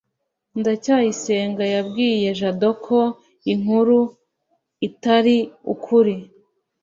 ndacyayisenga yabwiye jabo ko inkuru itari ukuri